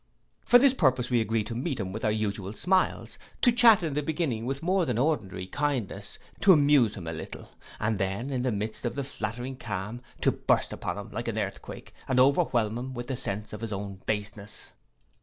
For this purpose we agreed to meet him with our usual smiles, to chat in the beginning with more than ordinary kindness, to amuse him a little; and then in the midst of the flattering calm to burst upon him like an earthquake, and overwhelm him with the sense of his own baseness.